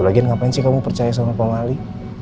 lagian ngapain sih kamu percaya sama pamali